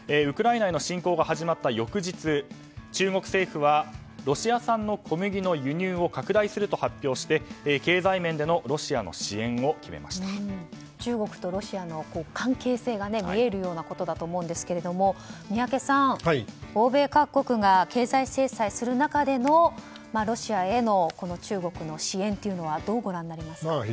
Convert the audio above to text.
ウクライナへの侵攻が始まった翌日、中国政府はロシア産の小麦の輸入を拡大すると発表して経済面でのロシアの支援を中国とロシアの関係性が見えるようなことだと思うんですけれども宮家さん欧米各国が経済制裁する中でのロシアへの中国の支援というのはどうご覧になりますか。